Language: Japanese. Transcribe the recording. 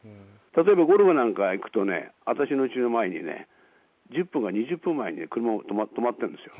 例えばゴルフなんか行くとね、私のうちの前にね、１０分か２０分前に車が止まってるんですよ。